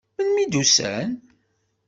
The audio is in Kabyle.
Melmi i d-usan?